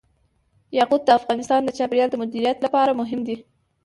یاقوت د افغانستان د چاپیریال د مدیریت لپاره مهم دي.